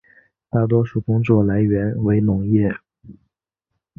大多数工作来源为农业。